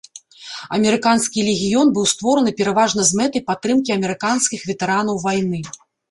Амерыканскі легіён быў створаны пераважна з мэтай падтрымкі амерыканскіх ветэранаў вайны.